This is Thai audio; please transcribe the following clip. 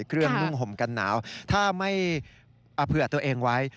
เครื่องนุ่งห่มกันหนาวถ้าไม่เอาเพื่อตัวเองไว้